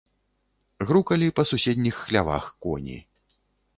Грукалі па суседніх хлявах коні.